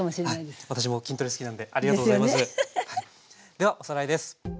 ではおさらいです。